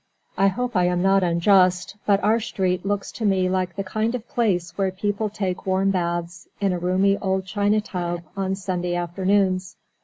I hope I am not unjust, but our street looks to me like the kind of place where people take warm baths, in a roomy old china tub, on Sunday afternoons.